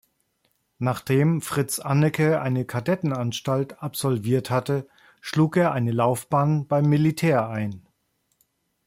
Nachdem Fritz Anneke eine Kadettenanstalt absolviert hatte, schlug er eine Laufbahn beim Militär ein.